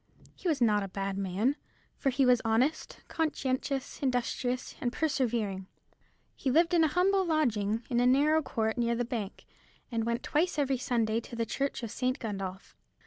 He was not a bad man, for he was honest, conscientious, industrious, and persevering. He lived in a humble lodging, in a narrow court near the bank, and went twice every Sunday to the church of St. Gundolph.